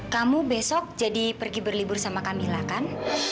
kamu besok jadi pergi berlibur sama camilla kan